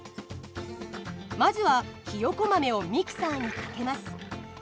まずはひよこ豆をミキサーにかけます。